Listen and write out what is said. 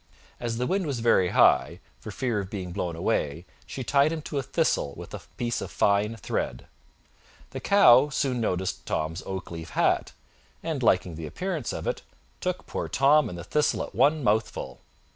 As the wind was very high, for fear of being blown away, she tied him to a thistle with a piece of fine thread. The cow soon observed Tom's oak leaf hat, and liking the appearance of it, took poor Tom and the thistle at one mouthful.